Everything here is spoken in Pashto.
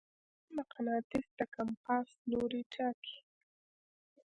زمیني مقناطیس د کمپاس لوری ټاکي.